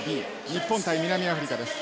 日本対南アフリカです。